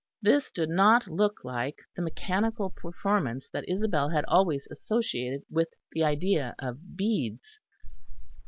This did not look like the mechanical performance that Isabel had always associated with the idea of beads.